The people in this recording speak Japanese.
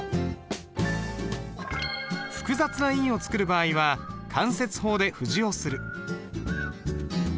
複雑な印を作る場合は間接法で布字をする。